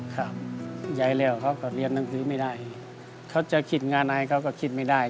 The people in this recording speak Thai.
ครับย้ายแล้วเขาก็เรียนหนังสือไม่ได้เขาจะคิดงานอะไรเขาก็คิดไม่ได้